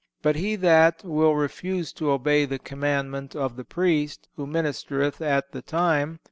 But he that ... will refuse to obey the commandment of the Priest, who ministereth at the time